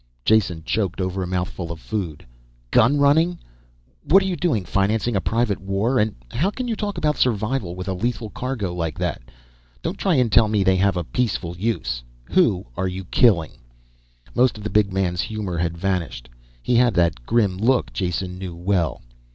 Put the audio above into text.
Jason choked over a mouthful of food. "Gun running! What are you doing, financing a private war? And how can you talk about survival with a lethal cargo like that? Don't try and tell me they have a peaceful use. Who are you killing?" Most of the big man's humor had vanished, he had that grim look Jason knew well.